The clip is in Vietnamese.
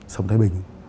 sống thái bình